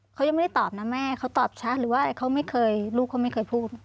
เขายังไม่ได้ตอบนะแม่เขาตอบชัดหรือว่าเขาไม่เคยลูกเขาไม่เคยพูด